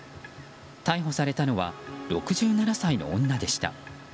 逮捕されたのは６７歳の女でした。